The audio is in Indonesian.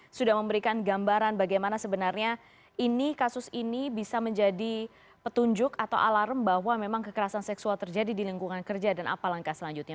sudah memberikan gambaran bagaimana sebenarnya ini kasus ini bisa menjadi petunjuk atau alarm bahwa memang kekerasan seksual terjadi di lingkungan kerja dan apa langkah selanjutnya